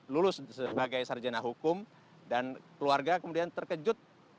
lulus sebagai sarjana hukum dan keluarga kemudian terkejut